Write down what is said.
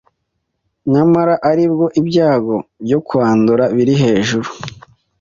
nyamara aribwo ibyago byo kwandura biri hejuru.